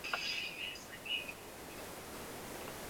Su corteza es de color gris oscuro y textura rugosa.